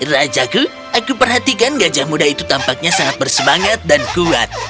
rajaku aku perhatikan gajah muda itu tampaknya sangat bersemangat dan kuat